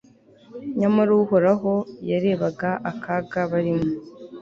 nyamara uhoraho yarebaga akaga barimo